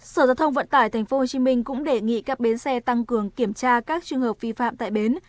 sở giao thông vận tải tp hcm cũng đề nghị các bến xe tăng cường kiểm tra các trường hợp vi phạm tại bến